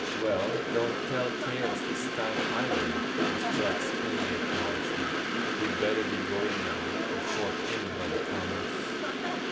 'Well, don't tell tales this time either,' was Jack's only acknowledgment. 'We'd better be going now, before anybody comes.